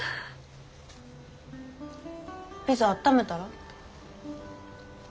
ピザあっためたら？